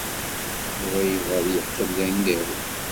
Yuba yebɣa ad yeqqim d aneggaru.